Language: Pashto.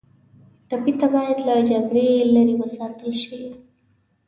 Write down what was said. ټپي ته باید له جګړې لرې وساتل شي.